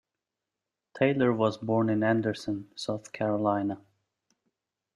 Taylor was born in Anderson, South Carolina.